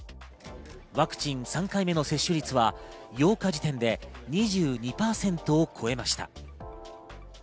ワクチン３回目の接種率は８日時点で２２％を超えました。